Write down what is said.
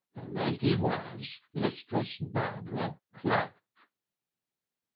The lady was Mistress Barbara Clerke.